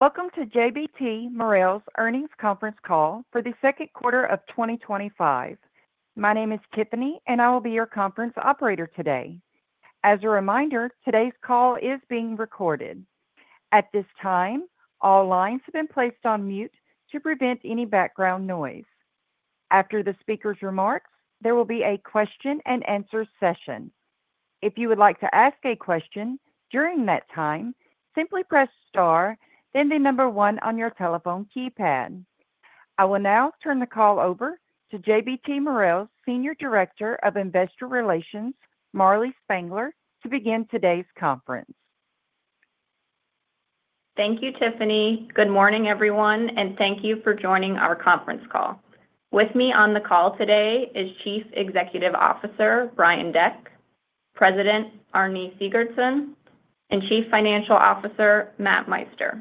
Welcome to JBT Marel's Earnings Conference Call for the second quarter of 2025. My name is Tiffany, and I will be your conference operator today. As a reminder, today's call is being recorded. At this time, all lines have been placed on mute to prevent any background noise. After the speaker's remarks, there will be a question and answer session. If you would like to ask a question during that time, simply press star, then the number one on your telephone keypad. I will now turn the call over to JBT Marel's Senior Director of Investor Relations, Marlee Spangler, to begin today's conference. Thank you, Tiffany. Good morning, everyone, and thank you for joining our conference call. With me on the call today is Chief Executive Officer Brian Deck, President Arni Sigurdsson, and Chief Financial Officer Matt Meister.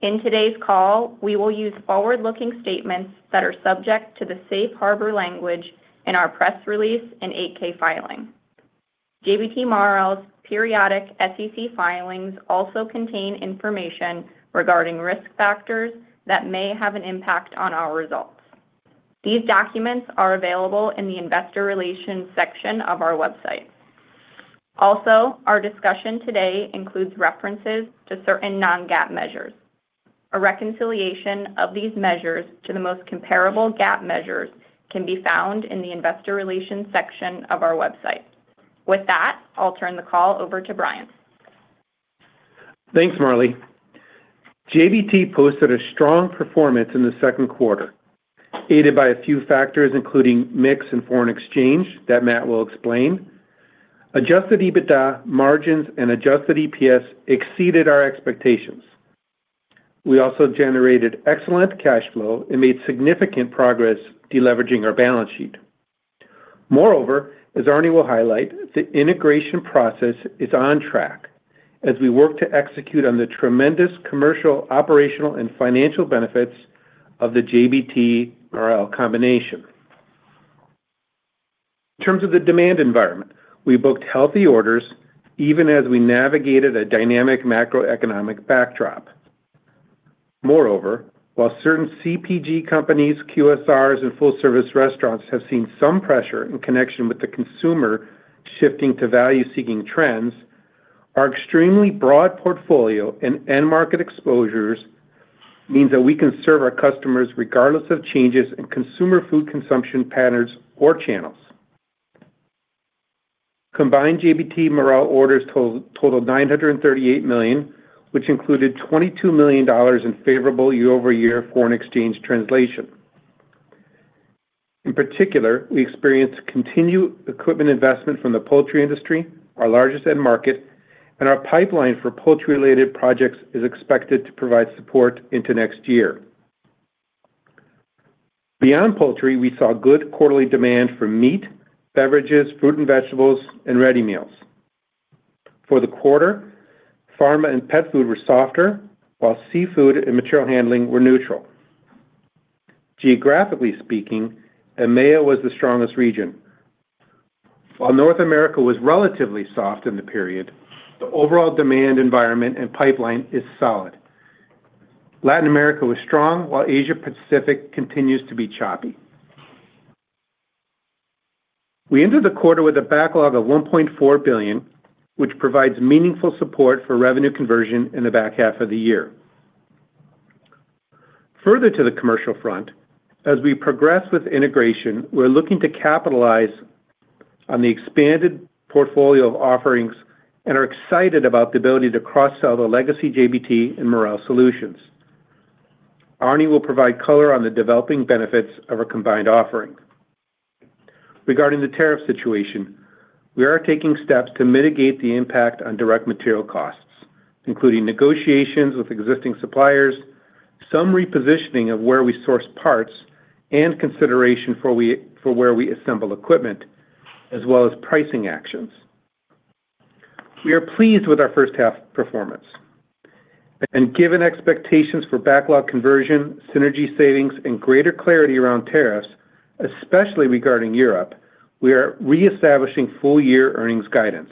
In today's call, we will use forward-looking statements that are subject to the safe harbor language in our press release and 8K filing. JBT Marel's periodic SEC filings also contain information regarding risk factors that may have an impact on our results. These documents are available in the Investor Relations section of our website. Also, our discussion today includes references to certain non-GAAP measures. A reconciliation of these measures to the most comparable GAAP measures can be found in the Investor Relations section of our website. With that, I'll turn the call over to Brian. Thanks, Marlee. JBT posted a strong performance in the second quarter, aided by a few factors including mix and foreign exchange that Matt will explain. Adjusted EBITDA margins and adjusted EPS exceeded our expectations. We also generated excellent cash flow and made significant progress deleveraging our balance sheet. Moreover, as Arni will highlight, the integration process is on track as we work to execute on the tremendous commercial, operational, and financial benefits of the JBT Marel combination. In terms of the demand environment, we booked healthy orders even as we navigated a dynamic macroeconomic backdrop. Moreover, while certain CPG companies, QSRs, and full-service restaurants have seen some pressure in connection with the consumer shifting to value-seeking trends, our extremely broad portfolio and end-market exposures mean that we can serve our customers regardless of changes in consumer food consumption patterns or channels. Combined JBT Marel orders totaled $938 million, which included $22 million in favorable year-over-year foreign exchange translation. In particular, we experienced continued equipment investment from the poultry industry, our largest end market, and our pipeline for poultry-related projects is expected to provide support into next year. Beyond poultry, we saw good quarterly demand for meat, beverages, fruit and vegetables, and ready meals. For the quarter, pharma and pet food were softer, while seafood and material handling were neutral. Geographically speaking, the MAO was the strongest region. While North America was relatively soft in the period, the overall demand environment and pipeline is solid. Latin America was strong, while Asia-Pacific continues to be choppy. We entered the quarter with a backlog of $1.4 billion, which provides meaningful support for revenue conversion in the back half of the year. Further to the commercial front, as we progress with integration, we're looking to capitalize on the expanded portfolio of offerings and are excited about the ability to cross-sell the legacy JBT and Marel solutions. Arni will provide color on the developing benefits of our combined offering. Regarding the tariff situation, we are taking steps to mitigate the impact on direct material costs, including negotiations with existing suppliers, some repositioning of where we source parts, and consideration for where we assemble equipment, as well as pricing actions. We are pleased with our first half performance. Given expectations for backlog conversion, synergy savings, and greater clarity around tariffs, especially regarding Europe, we are reestablishing full-year earnings guidance.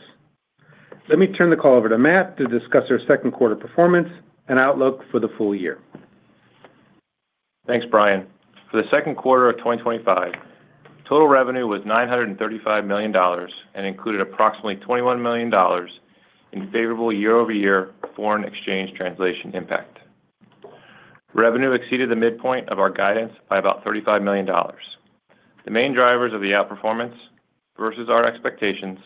Let me turn the call over to Matt to discuss our second quarter performance and outlook for the full year. Thanks, Brian. For the second quarter of 2025, total revenue was $935 million and included approximately $21 million in favorable year-over-year foreign exchange translation impact. Revenue exceeded the midpoint of our guidance by about $35 million. The main drivers of the outperformance versus our expectations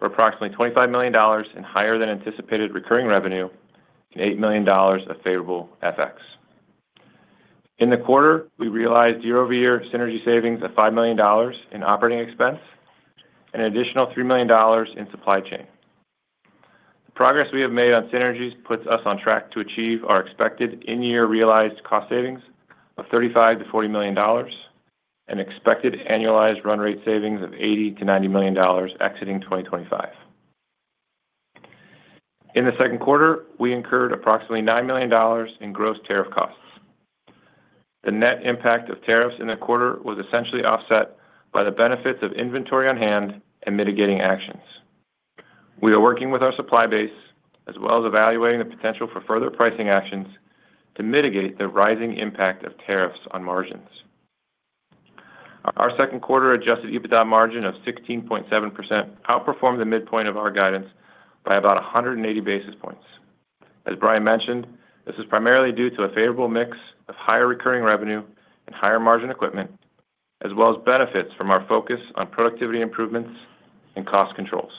were approximately $25 million in higher-than-anticipated recurring revenue and $8 million of favorable FX. In the quarter, we realized year-over-year synergy savings of $5 million in operating expense and an additional $3 million in supply chain. The progress we have made on synergies puts us on track to achieve our expected in-year realized cost savings of $35 million-$40 million and expected annualized run-rate savings of $80 million-$90 million exiting 2025. In the second quarter, we incurred approximately $9 million in gross tariff costs. The net impact of tariffs in the quarter was essentially offset by the benefits of inventory on hand and mitigating actions. We are working with our supply base, as well as evaluating the potential for further pricing actions to mitigate the rising impact of tariffs on margins. Our second quarter adjusted EBITDA margin of 16.7% outperformed the midpoint of our guidance by about 180 basis points. As Brian mentioned, this is primarily due to a favorable mix of higher recurring revenue and higher margin equipment, as well as benefits from our focus on productivity improvements and cost controls.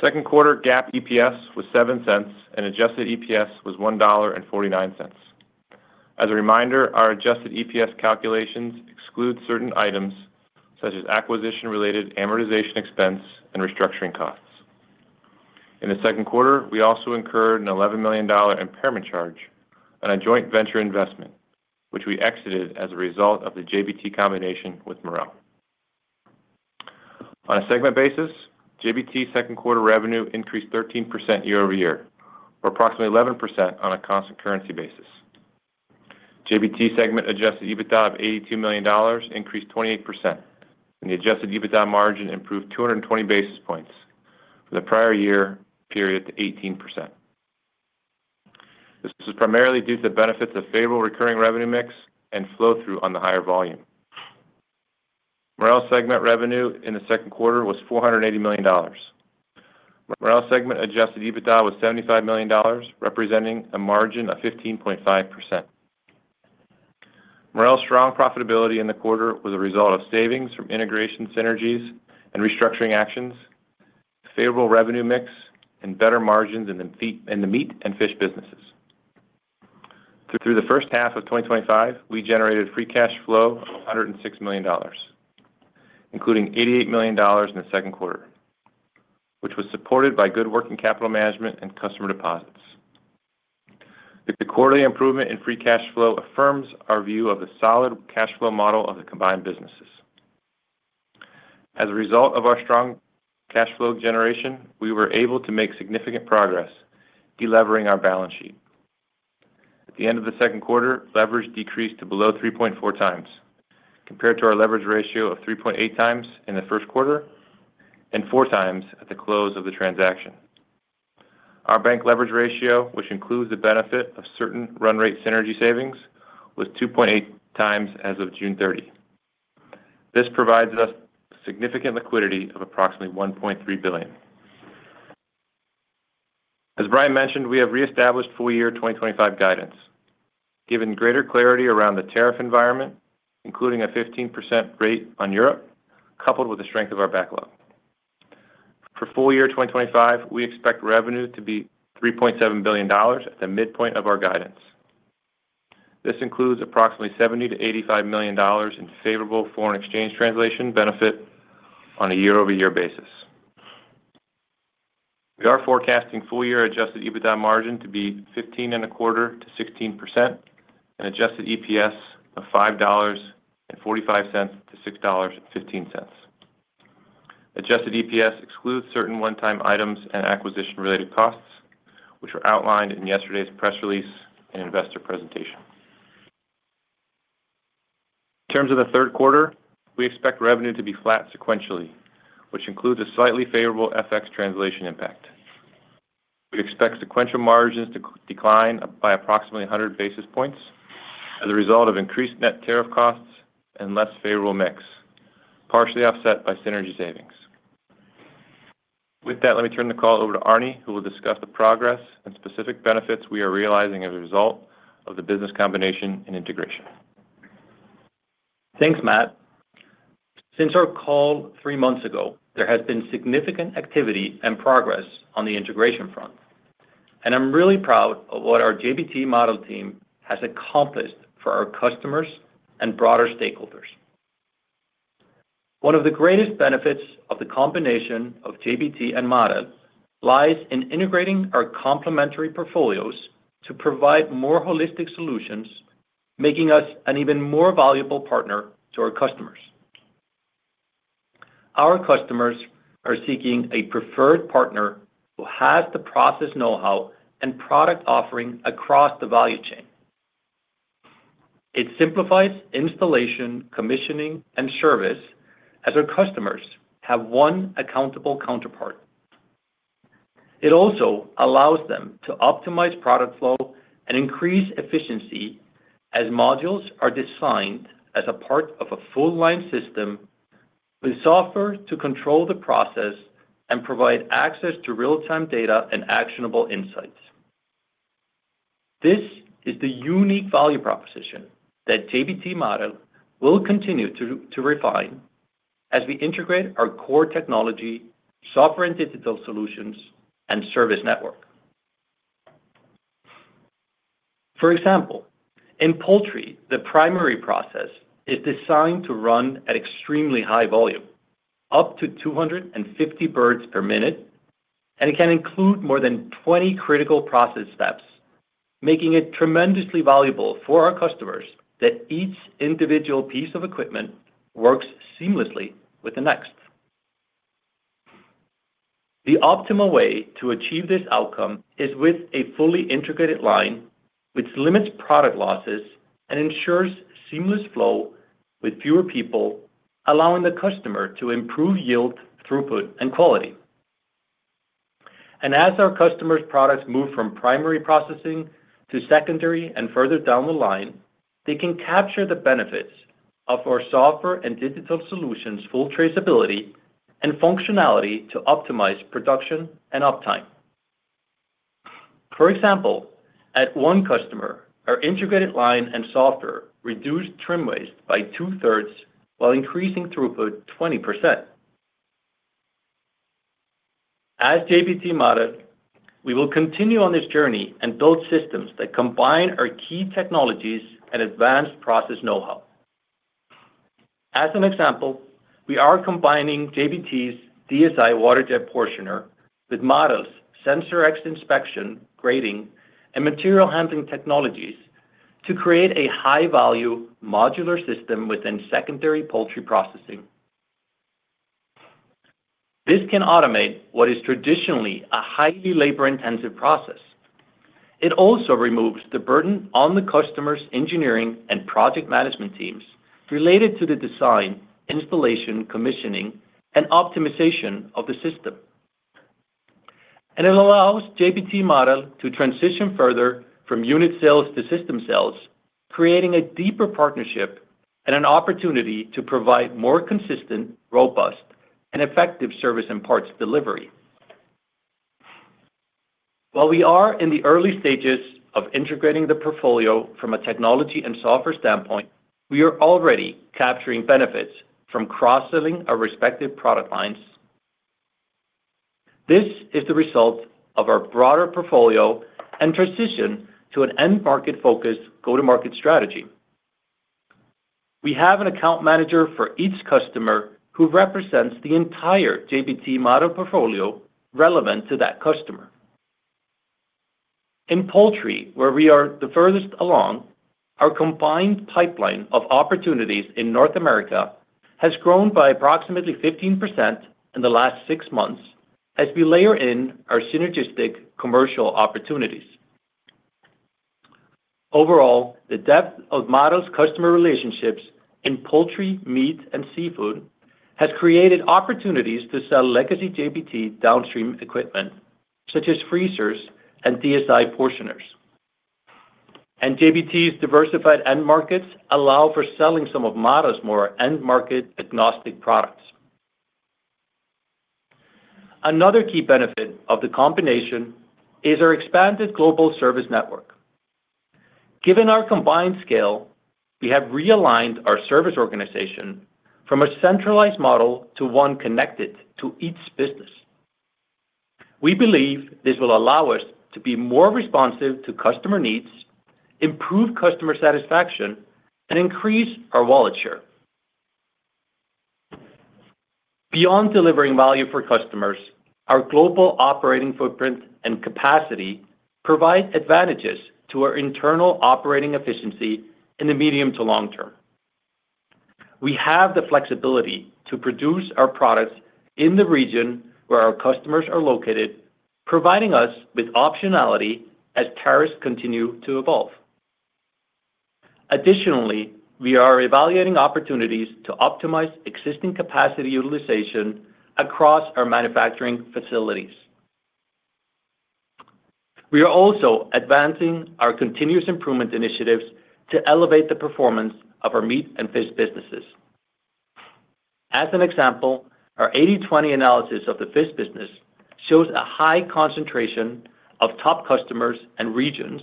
Second quarter GAAP EPS was $0.07 and adjusted EPS was $1.49. As a reminder, our adjusted EPS calculations exclude certain items such as acquisition-related amortization expense and restructuring costs. In the second quarter, we also incurred an $11 million impairment charge on a joint venture investment, which we exited as a result of the JBT combination with Marel. On a segment basis, JBT second quarter revenue increased 13% year-over-year, or approximately 11% on a constant currency basis. JBT segment adjusted EBITDA of $82 million increased 28%, and the adjusted EBITDA margin improved 220 basis points for the prior year period to 18%. This was primarily due to the benefits of favorable recurring revenue mix and flow-through on the higher volume. Marel segment revenue in the second quarter was $480 million. Marel segment adjusted EBITDA was $75 million, representing a margin of 15.5%. Marel's strong profitability in the quarter was a result of savings from integration, synergies, and restructuring actions, favorable revenue mix, and better margins in the meat and fish businesses. Through the first half of 2025, we generated free cash flow of $106 million, including $88 million in the second quarter, which was supported by good working capital management and customer deposits. The quarterly improvement in free cash flow affirms our view of the solid cash flow model of the combined businesses. As a result of our strong cash flow generation, we were able to make significant progress deleveraging our balance sheet. At the end of the second quarter, leverage decreased to below 3.4x compared to our leverage ratio of 3.8x in the first quarter and 4x at the close of the transaction. Our bank leverage ratio, which includes the benefit of certain run-rate synergy savings, was 2.8x as of June 30. This provides us significant liquidity of approximately $1.3 billion. As Brian mentioned, we have reestablished full-year 2025 guidance, given greater clarity around the tariff environment, including a 15% rate on Europe, coupled with the strength of our backlog. For full-year 2025, we expect revenue to be $3.7 billion at the midpoint of our guidance. This includes approximately $70 million-$85 million in favorable foreign exchange translation benefit on a year-over-year basis. We are forecasting full-year adjusted EBITDA margin to be 15.25%-16% and adjusted EPS of $5.45-$6.15. Adjusted EPS excludes certain one-time items and acquisition-related costs, which were outlined in yesterday's press release and investor presentation. In terms of the third quarter, we expect revenue to be flat sequentially, which includes a slightly favorable FX translation impact. We expect sequential margins to decline by approximately 100 basis points as a result of increased net tariff costs and less favorable mix, partially offset by synergy savings. With that, let me turn the call over to Arni, who will discuss the progress and specific benefits we are realizing as a result of the business combination and integration. Thanks, Matt. Since our call three months ago, there has been significant activity and progress on the integration front, and I'm really proud of what our JBT Marel team has accomplished for our customers and broader stakeholders. One of the greatest benefits of the combination of JBT and Marel lies in integrating our complementary portfolios to provide more holistic solutions, making us an even more valuable partner to our customers. Our customers are seeking a preferred partner who has the process know-how and product offering across the value chain. It simplifies installation, commissioning, and service as our customers have one accountable counterpart. It also allows them to optimize product flow and increase efficiency as modules are designed as a part of a full-line system with software to control the process and provide access to real-time data and actionable insights. This is the unique value proposition that JBT Marel will continue to refine as we integrate our core technology, software and digital solutions, and service network. For example, in poultry, the primary process is designed to run at extremely high volume, up to 250 birds per minute, and it can include more than 20 critical process steps, making it tremendously valuable for our customers that each individual piece of equipment works seamlessly with the next. The optimal way to achieve this outcome is with a fully integrated line which limits product losses and ensures seamless flow with fewer people, allowing the customer to improve yield, throughput, and quality. As our customers' products move from primary processing to secondary and further down the line, they can capture the benefits of our software and digital solutions' full traceability and functionality to optimize production and uptime. For example, at one customer, our integrated line and software reduced trim waste by 2/3 while increasing throughput 20%. As JBT Marel, we will continue on this journey and build systems that combine our key technologies and advanced process know-how. As an example, we are combining JBT's DSI water jet portioner with Marel's SensorX inspection, grading, and material handling technologies to create a high-value modular system within secondary poultry processing. This can automate what is traditionally a highly labor-intensive process. It also removes the burden on the customer's engineering and project management teams related to the design, installation, commissioning, and optimization of the system. It allows JBT Marel to transition further from unit sales to system sales, creating a deeper partnership and an opportunity to provide more consistent, robust, and effective service and parts delivery. While we are in the early stages of integrating the portfolio from a technology and software standpoint, we are already capturing benefits from cross-selling our respective product lines. This is the result of our broader portfolio and transition to an end-market focused go-to-market strategy. We have an account manager for each customer who represents the entire JBT Marel portfolio relevant to that customer. In poultry, where we are the furthest along, our combined pipeline of opportunities in North America has grown by approximately 15% in the last six months as we layer in our synergistic commercial opportunities. Overall, the depth of Marel's customer relationships in poultry, meat, and seafood has created opportunities to sell legacy JBT downstream equipment, such as freezers and DSI portioners. JBT's diversified end markets allow for selling some of Marel's more end-market agnostic products. Another key benefit of the combination is our expanded global service network. Given our combined scale, we have realigned our service organization from a centralized model to one connected to each business. We believe this will allow us to be more responsive to customer needs, improve customer satisfaction, and increase our wallet share. Beyond delivering value for customers, our global operating footprint and capacity provide advantages to our internal operating efficiency in the medium to long term. We have the flexibility to produce our products in the region where our customers are located, providing us with optionality as tariffs continue to evolve. Additionally, we are evaluating opportunities to optimize existing capacity utilization across our manufacturing facilities. We are also advancing our continuous improvement initiatives to elevate the performance of our meat and fish businesses. As an example, our 80/20 analysis of the fish business shows a high concentration of top customers and regions,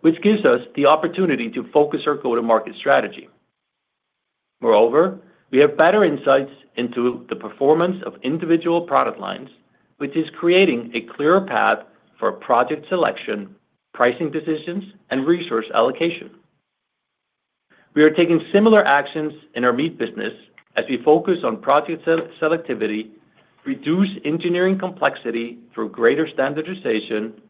which gives us the opportunity to focus our go-to-market strategy. Moreover, we have better insights into the performance of individual product lines, which is creating a clearer path for project selection, pricing decisions, and resource allocation. We are taking similar actions in our meat business as we focus on project selectivity, reduce engineering complexity through greater standardization,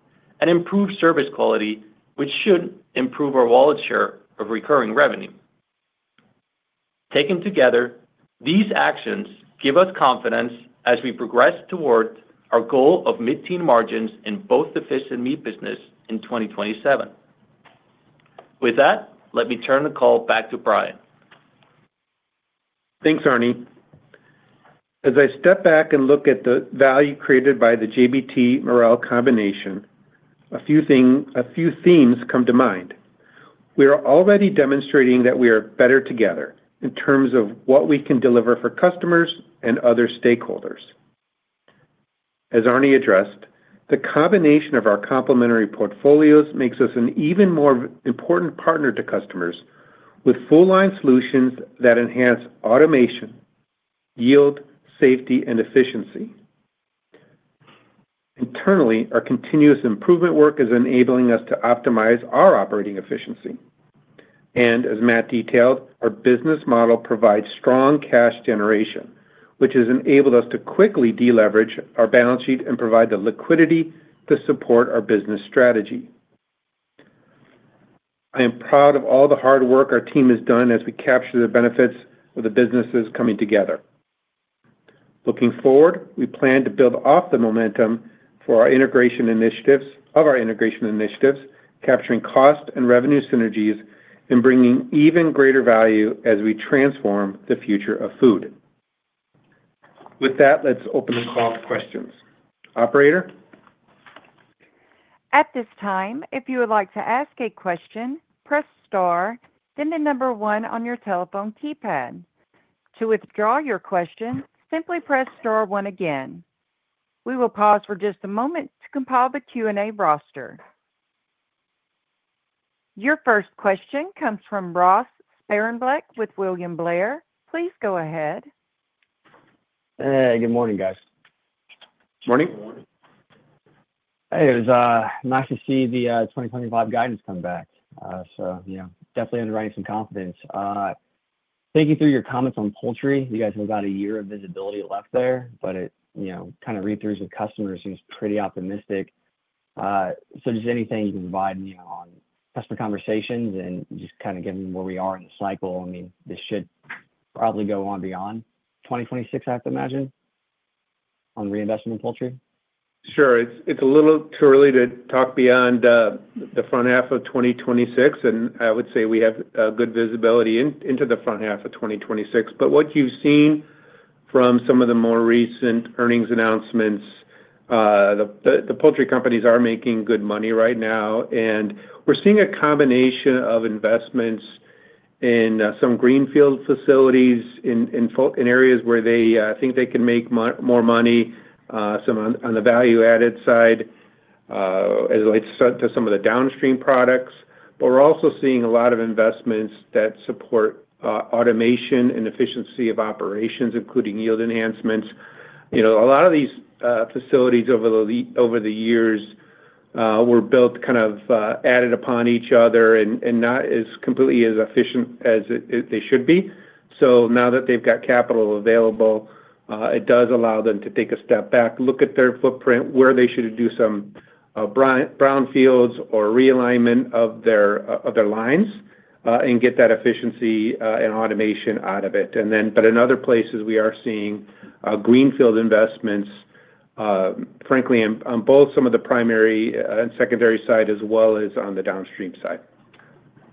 and improve service quality, which should improve our wallet share of recurring revenue. Taken together, these actions give us confidence as we progress toward our goal of mid-teens margins in both the fish and meat business in 2027. With that, let me turn the call back to Brian. Thanks, Arni. As I step back and look at the value created by the JBT Marel combination, a few themes come to mind. We are already demonstrating that we are better together in terms of what we can deliver for customers and other stakeholders. As Arni addressed, the combination of our complementary portfolios makes us an even more important partner to customers with full-line solutions that enhance automation, yield, safety, and efficiency. Internally, our continuous improvement work is enabling us to optimize our operating efficiency. As Matt detailed, our business model provides strong cash generation, which has enabled us to quickly deleverage our balance sheet and provide the liquidity to support our business strategy. I am proud of all the hard work our team has done as we capture the benefits of the businesses coming together. Looking forward, we plan to build off the momentum for our integration initiatives, capturing cost and revenue synergies, and bringing even greater value as we transform the future of food. With that, let's open the call to questions. Operator? At this time, if you would like to ask a question, press star, then the number one on your telephone keypad. To withdraw your question, simply press star one again. We will pause for just a moment to compile the Q&A roster. Your first question comes from Ross Sparenblek with William Blair. Please go ahead. Good morning, guys. Morning. Hey, it was nice to see the 2025 guidance come back. You know, definitely underwriting some confidence. Thinking through your comments on poultry, you guys have about a year of visibility left there, but it, you know, kind of read-throughs with customers seems pretty optimistic. Anything you can provide on customer conversations and just kind of give them where we are in the cycle, I mean, this should probably go on beyond 2026, I have to imagine, on reinvestment in poultry. Sure. It's a little too early to talk beyond the front half of 2026, and I would say we have good visibility into the front half of 2026. What you've seen from some of the more recent earnings announcements, the poultry companies are making good money right now, and we're seeing a combination of investments in some greenfield facilities in areas where they think they can make more money, some on the value-added side as it relates to some of the downstream products. We're also seeing a lot of investments that support automation and efficiency of operations, including yield enhancements. A lot of these facilities over the years were built kind of added upon each other and not as completely as efficient as they should be. Now that they've got capital available, it does allow them to take a step back, look at their footprint, where they should do some brownfields or realignment of their lines, and get that efficiency and automation out of it. In other places, we are seeing greenfield investments, frankly, on both some of the primary and secondary side, as well as on the downstream side.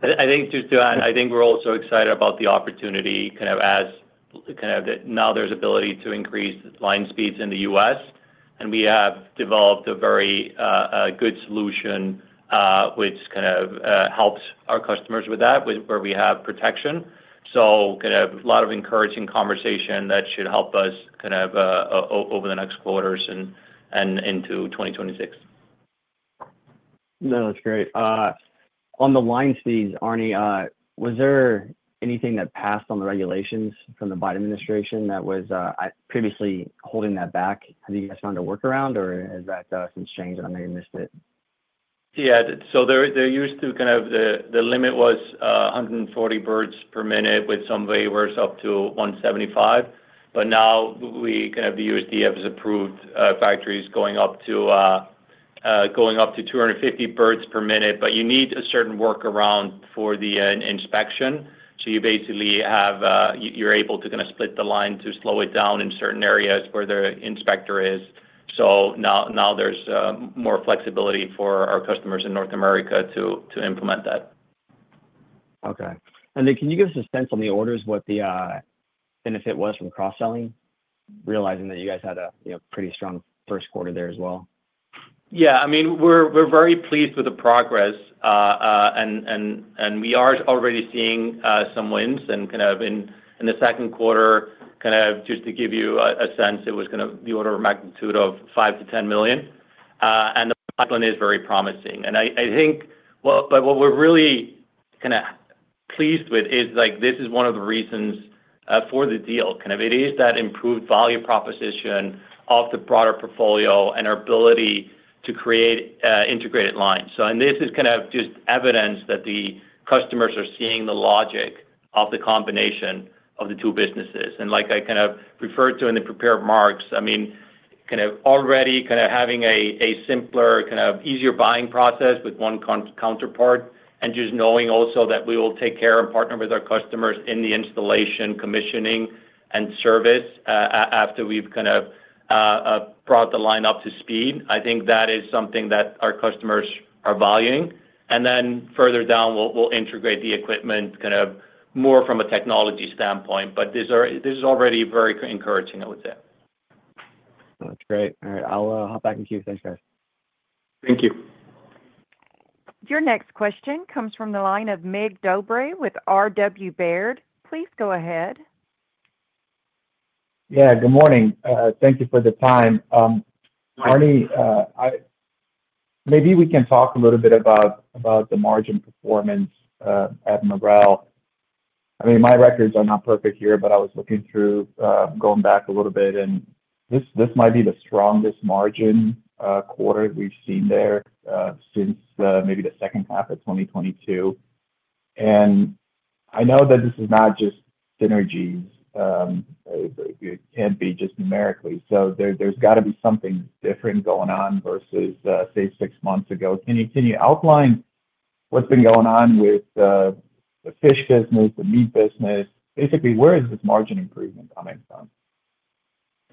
I think just to add, I think we're also excited about the opportunity, kind of as now there's ability to increase line speeds in the U.S. We have developed a very good solution, which kind of helps our customers with that, where we have protection. A lot of encouraging conversation that should help us over the next quarters and into 2026. No, that's great. On the line speeds, Arni, was there anything that passed on the regulations from the Biden administration that was previously holding that back? Have you guys found a workaround, or has that since changed? I know you missed it. They're used to kind of the limit was 140 birds per minute with some vapors up to 175. Now the USDA has approved factories going up to 250 birds per minute, but you need a certain workaround for the inspection. You basically have, you're able to kind of split the line to slow it down in certain areas where the inspector is. Now there's more flexibility for our customers in North America to implement that. Okay. Can you give us a sense on the orders, what the benefit was from cross-selling, realizing that you guys had a pretty strong first quarter there as well? Yeah, I mean, we're very pleased with the progress, and we are already seeing some wins. In the second quarter, just to give you a sense, it was going to be order of magnitude of $5 million-$10 million. The pipeline is very promising. What we're really pleased with is this is one of the reasons for the deal. It is that improved value proposition of the product portfolio and our ability to create integrated lines. This is just evidence that the customers are seeing the logic of the combination of the two businesses. Like I referred to in the prepared marks, already having a simpler, easier buying process with one counterpart and just knowing also that we will take care and partner with our customers in the installation, commissioning, and service after we've brought the line up to speed. I think that is something that our customers are valuing. Further down, we'll integrate the equipment more from a technology standpoint. This is already very encouraging, I would say. That's great. All right, I'll hop back in queue. Thanks, guys. Thank you. Your next question comes from the line of Mig Dobre with RW Baird. Please go ahead. Yeah, good morning. Thank you for the time. Arni, maybe we can talk a little bit about the margin performance at Marel. I mean, my records are not perfect here, but I was looking through, going back a little bit, and this might be the strongest margin quarter that we've seen there since maybe the second half of 2022. I know that this is not just synergies. It can't be just numerically. There has got to be something different going on versus, say, six months ago. Can you outline what's been going on with the fish business, the meat business? Basically, where is this margin improvement coming from?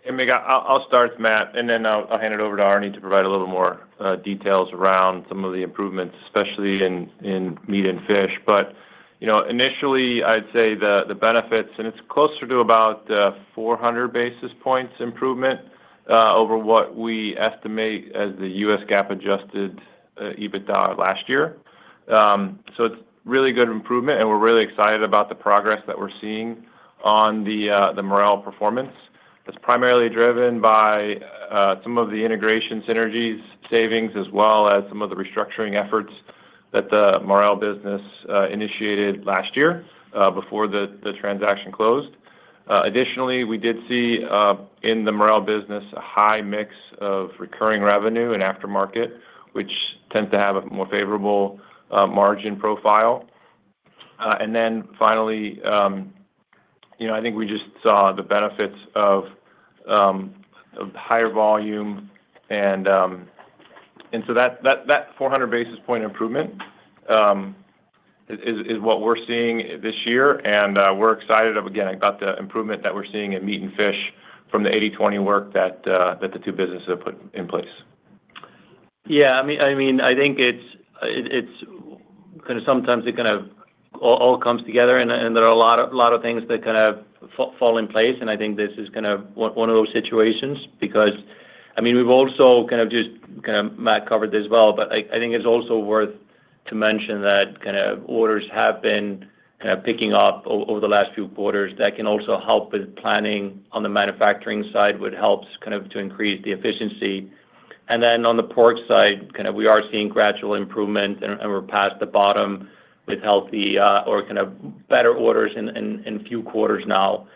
Hey, Mig, I'll start with Matt, and then I'll hand it over to Arni to provide a little more details around some of the improvements, especially in meat and fish. Initially, I'd say the benefits, and it's closer to about 400 basis points improvement over what we estimate as the U.S. GAAP-adjusted EBITDA last year. It's really good improvement, and we're really excited about the progress that we're seeing on the Marel performance. That's primarily driven by some of the integration synergies savings as well as some of the restructuring efforts that the Marel business initiated last year before the transaction closed. Additionally, we did see in the Marel business a high mix of recurring revenue and aftermarket, which tend to have a more favorable margin profile. Finally, I think we just saw the benefits of higher volume. That 400 basis point improvement is what we're seeing this year. We're excited, again, about the improvement that we're seeing in meat and fish from the 80/20 work that the two businesses have put in place. Yeah, I mean, I think it's kind of sometimes it kind of all comes together, and there are a lot of things that kind of fall in place. I think this is kind of one of those situations because, I mean, we've also just kind of Matt covered this well, but I think it's also worth to mention that orders have been picking up over the last few quarters. That can also help with planning on the manufacturing side, which helps to increase the efficiency. On the pork side, we are seeing gradual improvement, and we're past the bottom with healthy or better orders in a few quarters now.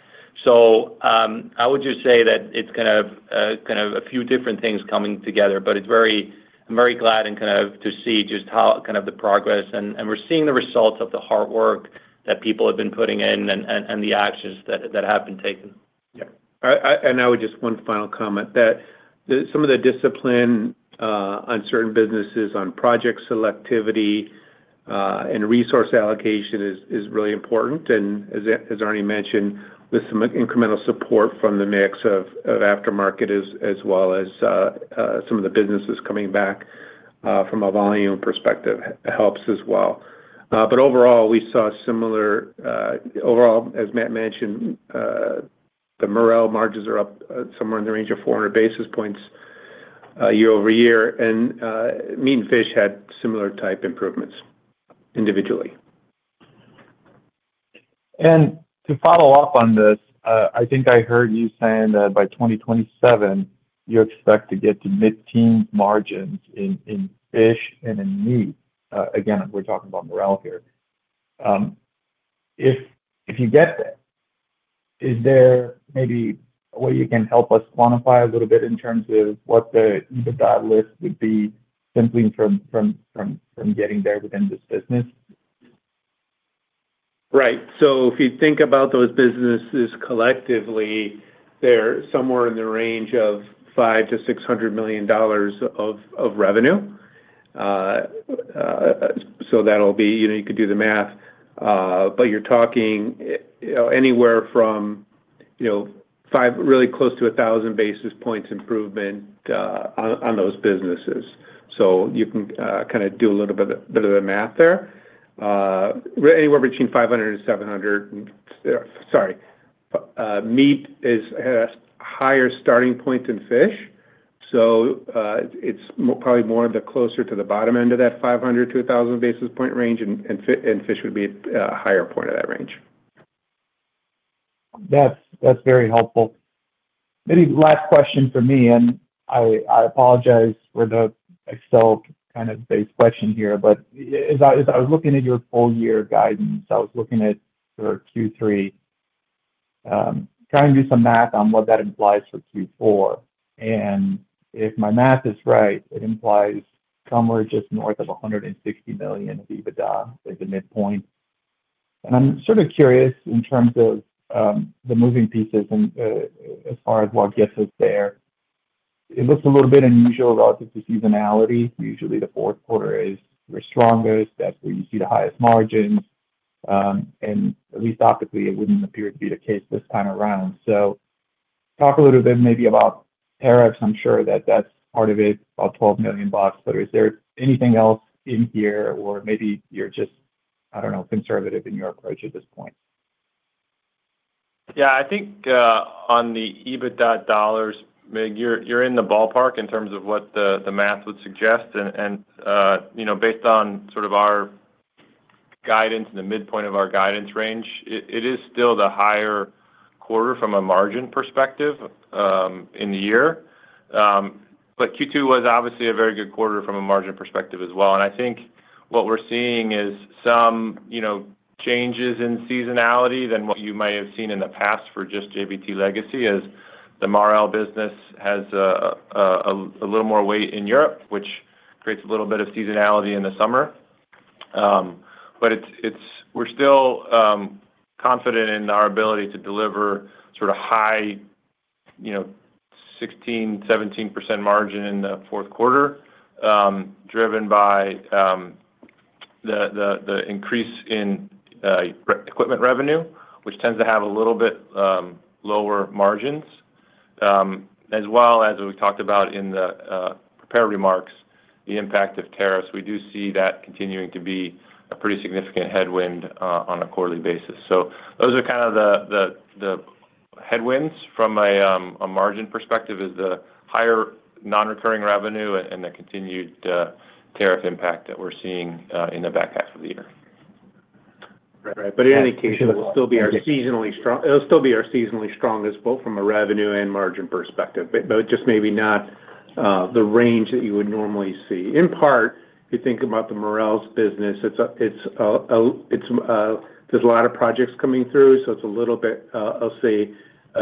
I would just say that it's a few different things coming together, but it's very, I'm very glad to see just how the progress, and we're seeing the results of the hard work that people have been putting in and the actions that have been taken. Yeah, I would just, one final comment, that some of the discipline on certain businesses on project selectivity and resource allocation is really important. As Arni mentioned, with some incremental support from the mix of aftermarket as well as some of the businesses coming back from a volume perspective, it helps as well. Overall, we saw similar, overall, as Matt mentioned, the Marel margins are up somewhere in the range of 400 basis points year-over-year, and meat and fish had similar type improvements individually. To follow up on this, I think I heard you saying that by 2027, you expect to get to mid-teens margins in fish and in meat. Again, we're talking about Marel here. If you get there, is there maybe a way you can help us quantify a little bit in terms of what the adjusted EBITDA lift would be simply from getting there within this business? Right. If you think about those businesses collectively, they're somewhere in the range of $500 million-$600 million of revenue. You could do the math, but you're talking anywhere from really close to 1,000 basis points improvement on those businesses. You can kind of do a little bit of the math there, anywhere between 500 and 1,000 basis points. Meat has higher starting points than fish, so it's probably more of the closer to the bottom end of that 500-1,000 basis point range, and fish would be a higher point of that range. That's very helpful. Maybe last question for me, and I apologize for the I still kind of base question here, but as I was looking at your full-year guidance, I was looking at your Q3. Trying to do some math on what that implies for Q4. If my math is right, it implies somewhere just north of $160 million of EBITDA at the midpoint. I'm sort of curious in terms of the moving pieces and as far as what gets us there. It looks a little bit unusual relative to seasonality. Usually, the fourth quarter is the strongest. That's where you see the highest margins. At least optically, it wouldn't appear to be the case this time around. Talk a little bit maybe about tariffs. I'm sure that that's part of it, about $12 million. Is there anything else in here, or maybe you're just, I don't know, conservative in your approach at this point? Yeah, I think on the EBITDA dollars, you're in the ballpark in terms of what the math would suggest. You know, based on sort of our guidance and the midpoint of our guidance range, it is still the higher quarter from a margin perspective in the year. Q2 was obviously a very good quarter from a margin perspective as well. I think what we're seeing is some changes in seasonality than what you might have seen in the past for just JBT legacy, as the Marel business has a little more weight in Europe, which creates a little bit of seasonality in the summer. We're still confident in our ability to deliver sort of high, you know, 16%, 17% margin in the fourth quarter, driven by the increase in equipment revenue, which tends to have a little bit lower margins. As well as we talked about in the prepared remarks, the impact of tariffs, we do see that continuing to be a pretty significant headwind on a quarterly basis. Those are kind of the headwinds from a margin perspective: the higher non-recurring revenue and the continued tariff impact that we're seeing in the back half of the year. Right. In any case, it'll still be our seasonally strongest quarter from a revenue and margin perspective, but just maybe not the range that you would normally see. In part, if you think about Marel's business, there's a lot of projects coming through, so it's a little bit, I'll say,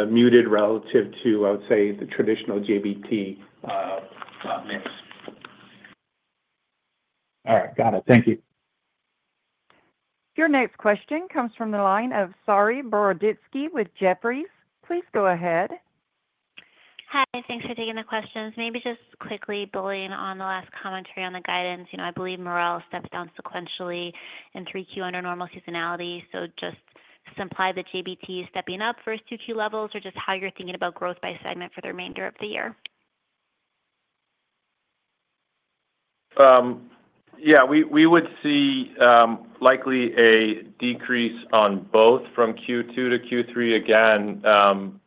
muted relative to, I would say, the traditional JBT quarters. All right. Got it. Thank you. Your next question comes from the line of Saree Boroditsky with Jefferies. Please go ahead. Hi. Thanks for taking the questions. Maybe just quickly building on the last commentary on the guidance. I believe Marel steps down sequentially in 3Q under normal seasonality. Just simplify the JBT stepping up versus 2Q levels or just how you're thinking about growth by segment for the remainder of the year? Yeah, we would see likely a decrease on both from Q2 to Q3. Again,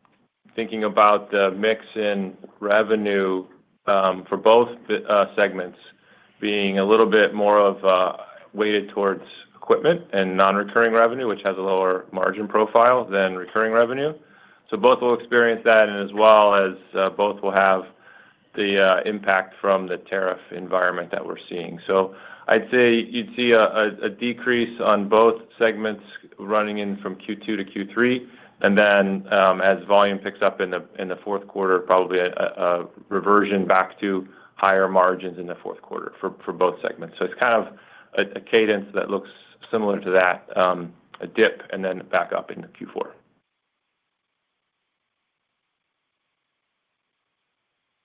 thinking about the mix in revenue for both segments being a little bit more weighted towards equipment and non-recurring revenue, which has a lower margin profile than recurring revenue. Both will experience that, as well as both will have the impact from the tariff environment that we're seeing. I'd say you'd see a decrease on both segments running in from Q2 to Q3, and then as volume picks up in the fourth quarter, probably a reversion back to higher margins in the fourth quarter for both segments. It's kind of a cadence that looks similar to that, a dip and then back up into Q4.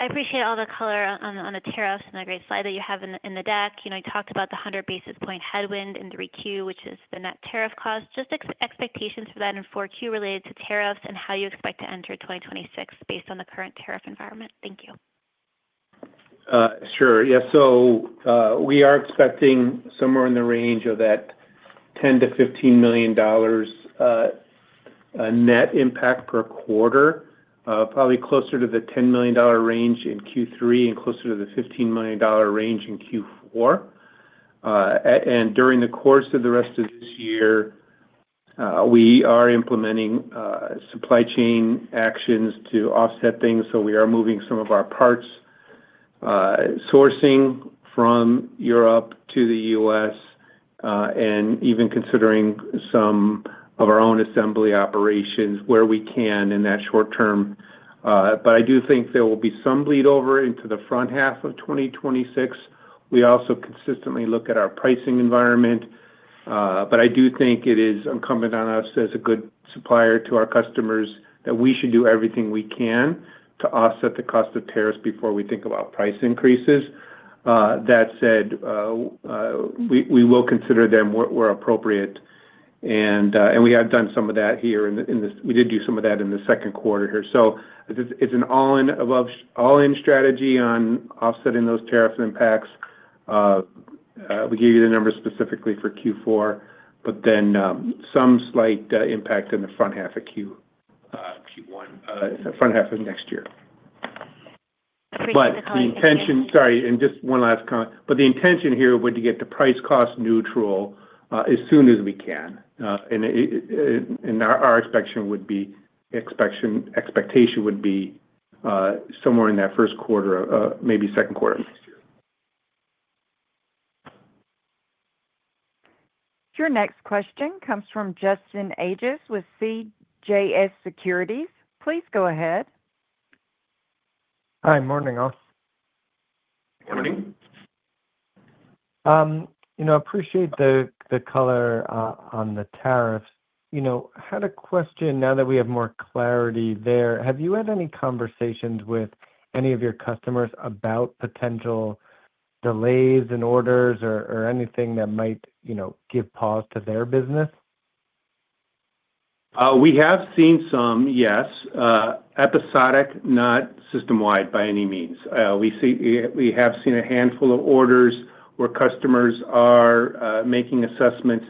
I appreciate all the color on the tariffs and the great slide that you have in the deck. You talked about the 100 basis point headwind in 3Q, which is the net tariff cost. Just expectations for that in 4Q related to tariffs and how you expect to enter 2026 based on the current tariff environment. Thank you. Sure. Yeah. We are expecting somewhere in the range of that $10 million-$15 million net impact per quarter, probably closer to the $10 million range in Q3 and closer to the $15 million range in Q4. During the course of the rest of this year, we are implementing supply chain actions to offset things. We are moving some of our parts sourcing from Europe to the U.S. and even considering some of our own assembly operations where we can in that short term. I do think there will be some bleed over into the front half of 2026. We also consistently look at our pricing environment. I do think it is incumbent on us as a good supplier to our customers that we should do everything we can to offset the cost of tariffs before we think about price increases. That said, we will consider them where appropriate. We have done some of that here in this. We did do some of that in the second quarter here. It's an all-in strategy on offsetting those tariff impacts. We gave you the numbers specifically for Q4, but then some slight impact in the front half of Q1, front half of next year. I appreciate the comment. The intention here would be to get to price-cost neutrality as soon as we can. Our expectation would be somewhere in that first quarter, maybe second quarter of next year. Your next question comes from Justin Ages with CJS Securities. Please go ahead. Hi. Morning, all. Good morning. I appreciate the color on the tariffs. I had a question now that we have more clarity there. Have you had any conversations with any of your customers about potential delays in orders or anything that might give pause to their business? We have seen some, yes. Episodic, not system-wide by any means. We have seen a handful of orders where customers are making assessments,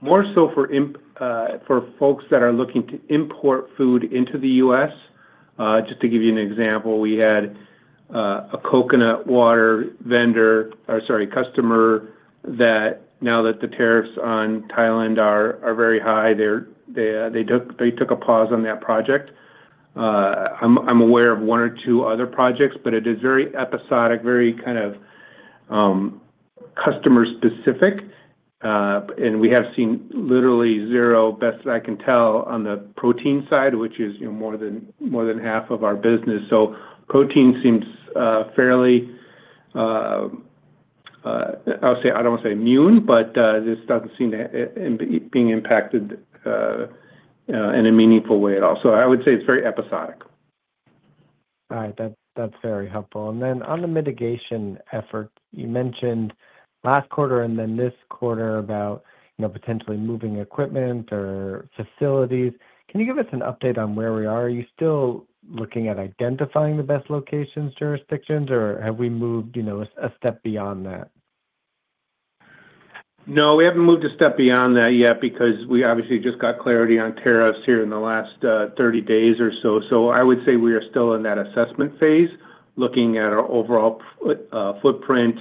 more so for folks that are looking to import food into the U.S. Just to give you an example, we had a coconut water customer that now that the tariffs on Thailand are very high, they took a pause on that project. I am aware of one or two other projects, but it is very episodic, very kind of customer-specific. We have seen literally zero, best that I can tell, on the protein side, which is more than half of our business. Protein seems fairly, I'll say, I don't want to say immune, but this doesn't seem to be being impacted in a meaningful way at all. I would say it's very episodic. All right. That's very helpful. On the mitigation effort, you mentioned last quarter and this quarter about potentially moving equipment or facilities. Can you give us an update on where we are? Are you still looking at identifying the best locations, jurisdictions, or have we moved a step beyond that? No, we haven't moved a step beyond that yet because we obviously just got clarity on tariffs here in the last 30 days or so. I would say we are still in that assessment phase, looking at our overall footprint.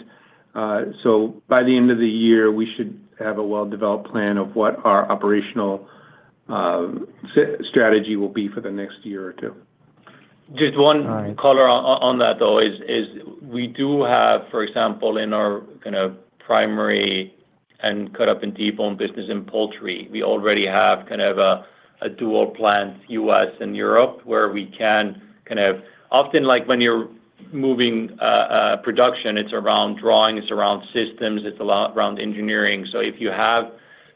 By the end of the year, we should have a well-developed plan of what our operational strategy will be for the next year or two. Just one color on that, though, is we do have, for example, in our kind of primary and cut-up and debone business in poultry, we already have kind of a dual plant, U.S. and Europe, where we can often, like when you're moving production, it's around drawing, it's around systems, it's a lot around engineering. If you have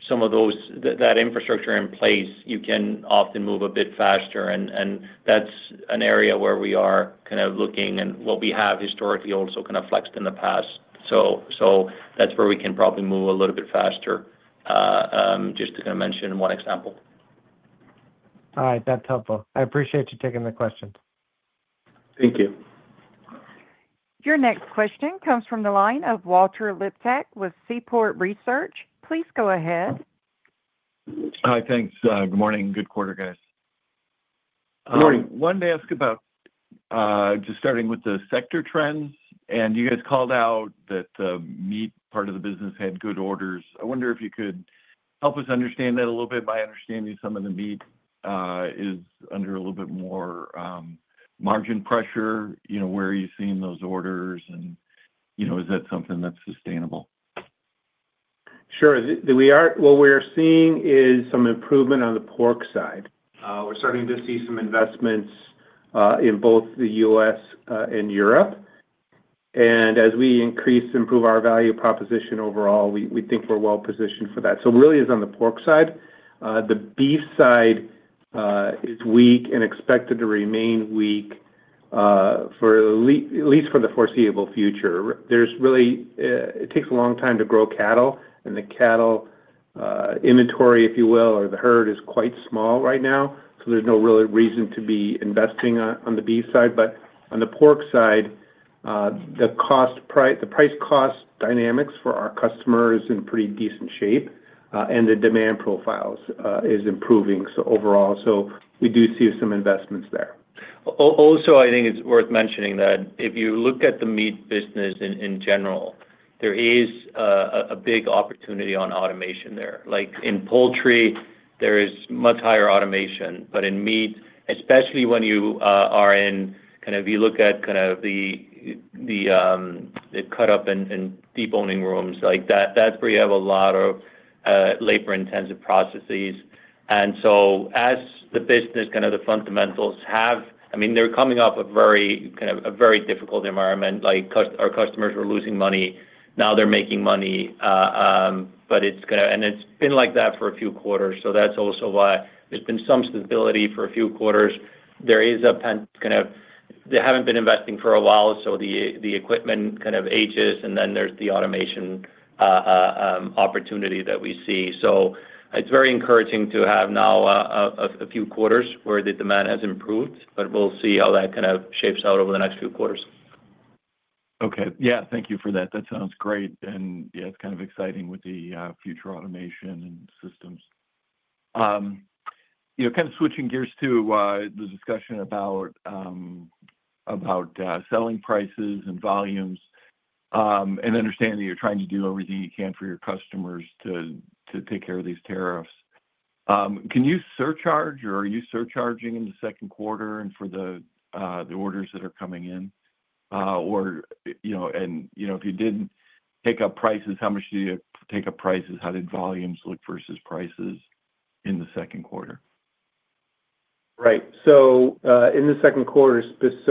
some of that infrastructure in place, you can often move a bit faster. That's an area where we are kind of looking and what we have historically also kind of flexed in the past. That's where we can probably move a little bit faster, just to mention one example. All right. That's helpful. I appreciate you taking the questions. Thank you. Your next question comes from the line of Walter Liptak with Seaport Research. Please go ahead. Hi. Thanks. Good morning. Good quarter, guys. Good morning. I wanted to ask about just starting with the sector trends, and you guys called out that the meat part of the business had good orders. I wonder if you could help us understand that a little bit. My understanding is some of the meat is under a little bit more margin pressure. Where are you seeing those orders, and is that something that's sustainable? Sure. What we are seeing is some improvement on the pork side. We're starting to see some investments in both the U.S. and Europe. As we increase and improve our value proposition overall, we think we're well positioned for that. It really is on the pork side. The beef side is weak and expected to remain weak for at least the foreseeable future. It takes a long time to grow cattle, and the cattle inventory, if you will, or the herd is quite small right now. There's no real reason to be investing on the beef side. On the pork side, the price-cost dynamics for our customer is in pretty decent shape, and the demand profile is improving. Overall, we do see some investments there. Also, I think it's worth mentioning that if you look at the meat business in general, there is a big opportunity on automation there. Like in poultry, there is much higher automation, but in meat, especially when you look at the cut-up and deboning rooms, that's where you have a lot of labor-intensive processes. As the business fundamentals have, I mean, they're coming off a very difficult environment. Our customers were losing money. Now they're making money, and it's been like that for a few quarters. That's also why there's been some stability for a few quarters. They haven't been investing for a while, so the equipment ages, and then there's the automation opportunity that we see. It's very encouraging to have now a few quarters where the demand has improved. We'll see how that shapes out over the next few quarters. Okay. Thank you for that. That sounds great. It's kind of exciting with the future automation and systems. Switching gears to the discussion about selling prices and volumes and understanding that you're trying to do everything you can for your customers to take care of these tariffs. Can you surcharge, or are you surcharging in the second quarter and for the orders that are coming in? If you didn't take up prices, how much do you take up prices? How did volumes look versus prices in the second quarter? Right. In the second quarter,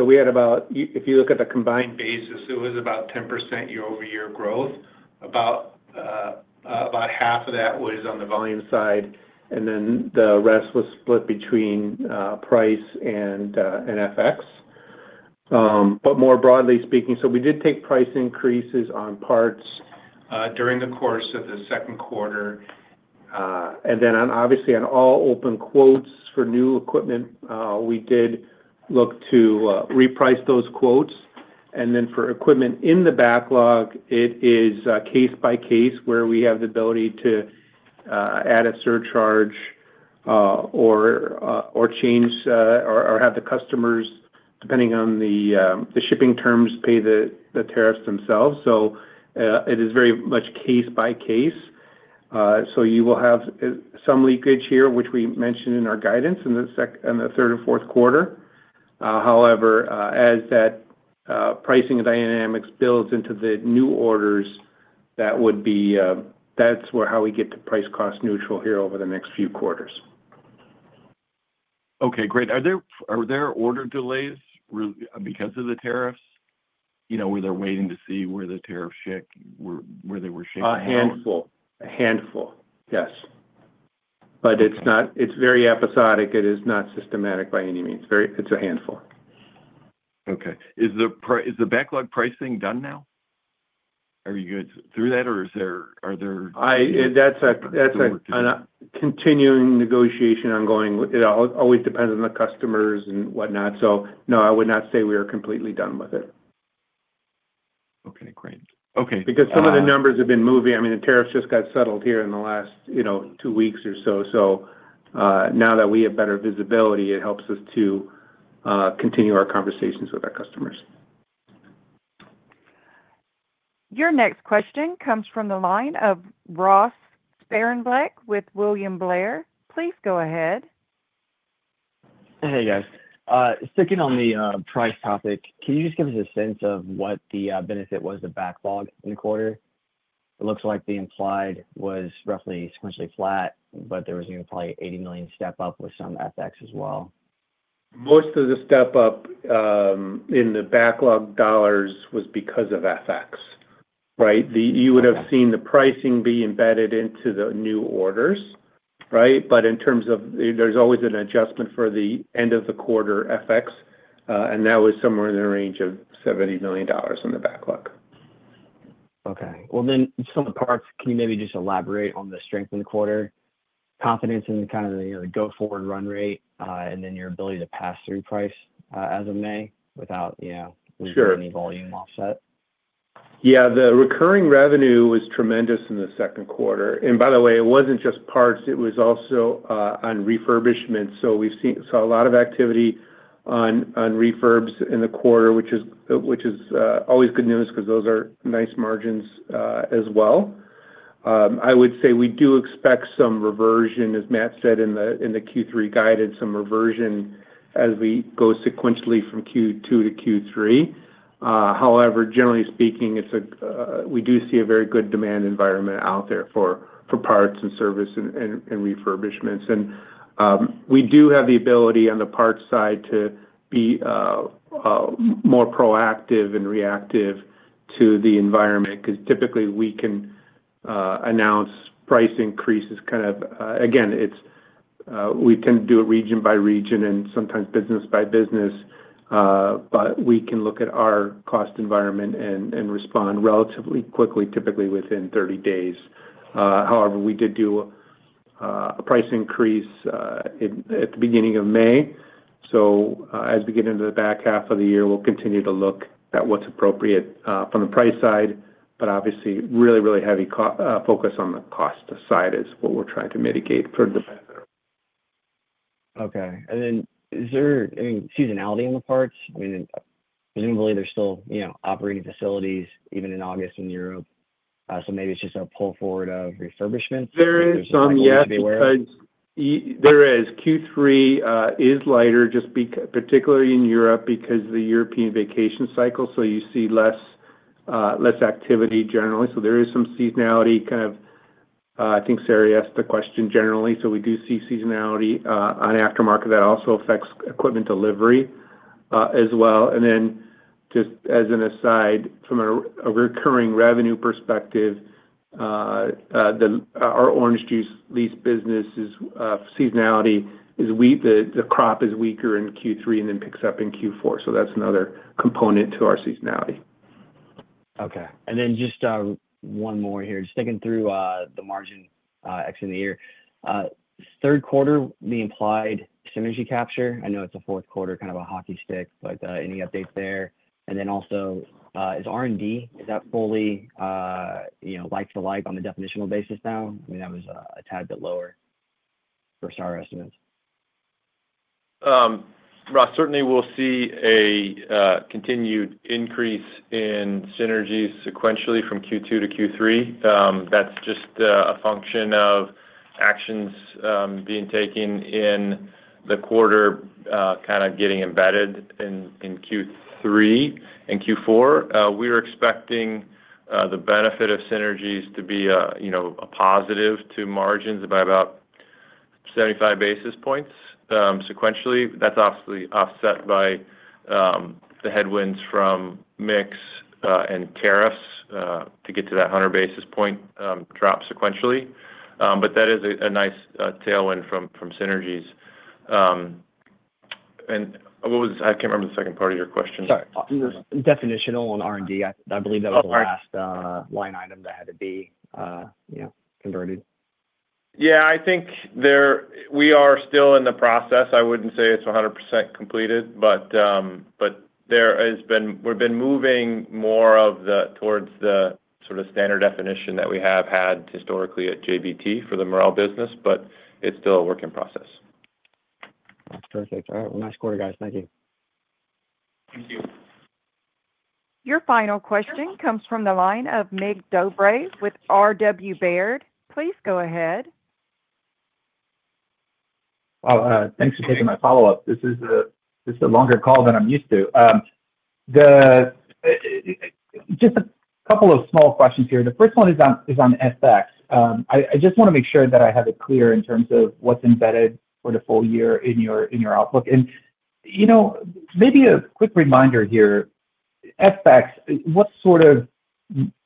we had about, if you look at the combined basis, it was about 10% year-over-year growth. About half of that was on the volume side, and then the rest was split between price and FX. More broadly speaking, we did take price increases on parts during the course of the second quarter. Obviously, on all open quotes for new equipment, we did look to reprice those quotes. For equipment in the backlog, it is case by case where we have the ability to add a surcharge or change or have the customers, depending on the shipping terms, pay the tariffs themselves. It is very much case by case. You will have some leakage here, which we mentioned in our guidance in the second and the third and fourth quarter. However, as that pricing dynamics builds into the new orders, that's how we get to price-cost neutral here over the next few quarters. Okay. Great. Are there order delays because of the tariffs? You know, where they're waiting to see where the tariffs shake, where they were shaking? A handful. Yes, it's not, it's very episodic. It is not systematic by any means. It's a handful. Okay. Is the backlog pricing done now? Are you good through that, or is there, are there? That's a continuing negotiation ongoing. It always depends on the customers and whatnot. No, I would not say we are completely done with it. Okay. Great. Okay. Because some of the numbers have been moving. The tariffs just got settled here in the last, you know, two weeks or so. Now that we have better visibility, it helps us to continue our conversations with our customers. Your next question comes from the line of Ross Sparenblek with William Blair. Please go ahead. Hey, guys. Sticking on the price topic, can you just give us a sense of what the benefit was to backlog in the quarter? It looks like the implied was roughly sequentially flat, but there was probably an $80 million step-up with some FX as well. Most of the step-up in the backlog dollars was because of FX, right? You would have seen the pricing be embedded into the new orders, right? In terms of there's always an adjustment for the end of the quarter FX, and that was somewhere in the range of $70 million in the backlog. Okay. Can you maybe just elaborate on the strength in the quarter, confidence in the kind of the go-forward run rate, and then your ability to pass through price as of May without any volume offset? Yeah, the recurring revenue was tremendous in the second quarter. By the way, it wasn't just parts. It was also on refurbishment. We've seen a lot of activity on refurbs in the quarter, which is always good news because those are nice margins as well. I would say we do expect some reversion, as Matt said in the Q3 guidance, some reversion as we go sequentially from Q2 to Q3. However, generally speaking, we do see a very good demand environment out there for parts and service and refurbishments. We do have the ability on the parts side to be more proactive and reactive to the environment because typically we can announce price increases. We tend to do it region by region and sometimes business by business. We can look at our cost environment and respond relatively quickly, typically within 30 days. However, we did do a price increase at the beginning of May. As we get into the back half of the year, we'll continue to look at what's appropriate from the price side, but obviously really, really heavy focus on the cost side is what we're trying to mitigate for. Is there any seasonality on the parts? Presumably, they're still operating facilities even in August in Europe. Maybe it's just a pull forward of refurbishment. There is some yet because Q3 is lighter, just particularly in Europe because of the European vacation cycle. You see less activity generally. There is some seasonality kind of, I think Saree asked the question generally. We do see seasonality on aftermarket that also affects equipment delivery as well. Just as an aside, from a recurring revenue perspective, our orange juice lease business seasonality is weak. The crop is weaker in Q3 and then picks up in Q4. That's another component to our seasonality. Okay. Just one more here, just thinking through the margin exit in the year, third quarter, the implied synergy capture, I know it's a fourth quarter, kind of a hockey stick, but any updates there? Also, is R&D, is that fully, you know, like-to-like on a definitional basis now? I mean, that was a tad bit lower versus our estimates. Right. Certainly, we'll see a continued increase in synergies sequentially from Q2 to Q3. That's just a function of actions being taken in the quarter, kind of getting embedded in Q3 and Q4. We are expecting the benefit of synergies to be a positive to margins by about 75 basis points sequentially. That's obviously offset by the headwinds from mix and tariffs to get to that 100 basis point drop sequentially. That is a nice tailwind from synergies. What was, I can't remember the second part of your question. Sorry. Definitional on R&D. I believe that was the last line item that had to be converted. Yeah, I think we are still in the process. I wouldn't say it's 100% completed, but we've been moving more towards the sort of standard definition that we have had historically at JBT for the Marel business, but it's still a work in process. That's perfect. All right, nice quarter, guys. Thank you. Thank you. Your final question comes from the line of Mig Dobre with RW Baird. Please go ahead. Thank you for taking my follow-up. This is a longer call than I'm used to. Just a couple of small questions here. The first one is on FX. I just want to make sure that I have it clear in terms of what's embedded for the full year in your outlook. Maybe a quick reminder here. FX, what sort of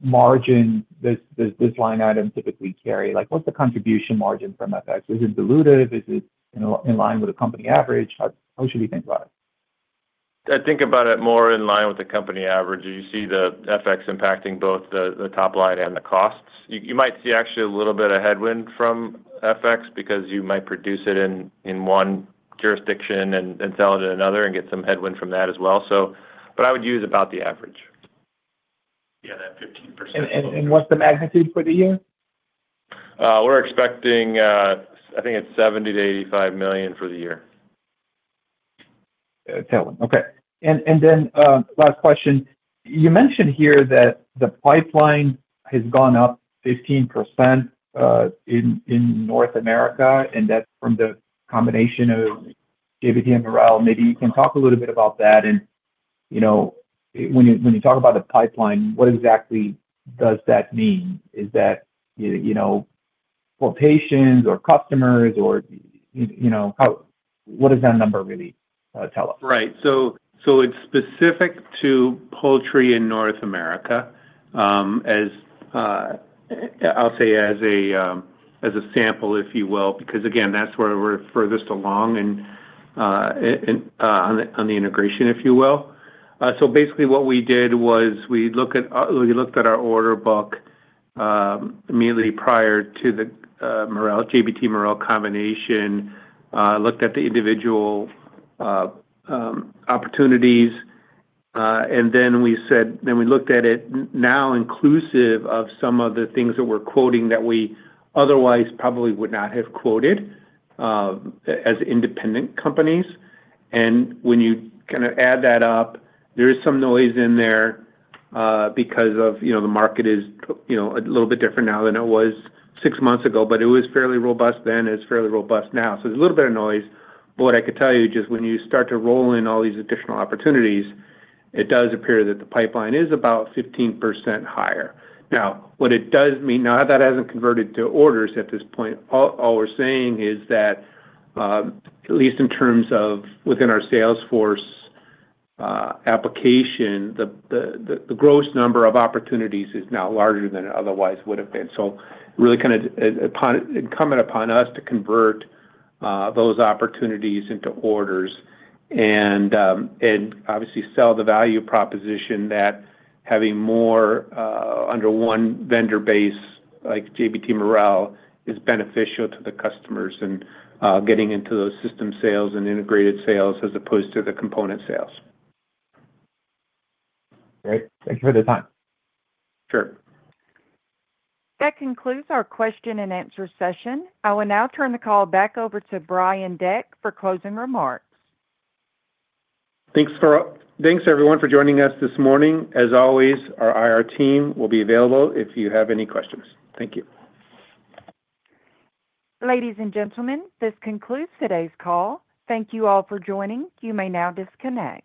margin does this line item typically carry? Like, what's the contribution margin from FX? Is it dilutive? Is it in line with the company average? How should we think about it? Think about it more in line with the company average. You see the FX impacting both the top line and the costs. You might see actually a little bit of headwind from FX because you might produce it in one jurisdiction and sell it in another and get some headwind from that as well. I would use about the average. Yeah, that 15%. What's the magnitude for the year? We're expecting, I think it's $70 million-$85 million for the year. Tailwind. Okay. Last question. You mentioned here that the pipeline has gone up 15% in North America, and that's from the combination of JBT and Marel. Maybe you can talk a little bit about that. When you talk about the pipeline, what exactly does that mean? Is that quotations or customers, or how what does that number really tell us? Right. It's specific to poultry in North America, as I'll say as a sample, if you will, because that's where we're furthest along on the integration, if you will. Basically, what we did was we looked at our order book immediately prior to the JBT Marel combination, looked at the individual opportunities, and then we said we looked at it now inclusive of some of the things that we're quoting that we otherwise probably would not have quoted as independent companies. When you add that up, there is some noise in there because the market is a little bit different now than it was six months ago, but it was fairly robust then, and it's fairly robust now. There's a little bit of noise. What I could tell you is just when you start to roll in all these additional opportunities, it does appear that the pipeline is about 15% higher. What it does mean, now that hasn't converted to orders at this point, all we're saying is that at least in terms of within our Salesforce application, the gross number of opportunities is now larger than it otherwise would have been. It's really kind of incumbent upon us to convert those opportunities into orders and obviously sell the value proposition that having more under one vendor base like JBT Marel is beneficial to the customers and getting into those system sales and integrated sales as opposed to the component sales. Great, thank you for the time. Sure. That concludes our question and answer session. I will now turn the call back over to Brian Deck for closing remarks. Thanks, everyone, for joining us this morning. As always, our IR team will be available if you have any questions. Thank you. Ladies and gentlemen, this concludes today's call. Thank you all for joining. You may now disconnect.